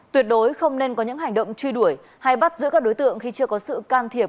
tuyệt đối không nên có những hành động truy đuổi hay bắt giữ các đối tượng khi chưa có sự can thiệp